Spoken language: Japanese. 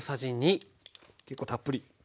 結構たっぷり。